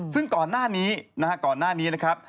ซึ่งก่อนหน้านี้นะฮะก่อนหน้านี้นะครับ